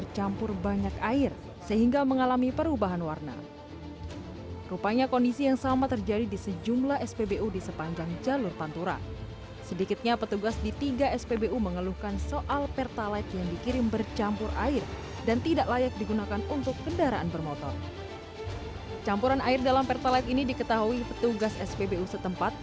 campuran air dalam pertalite ini diketahui petugas spbu setempat